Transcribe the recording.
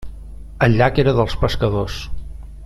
El llac era dels pescadors.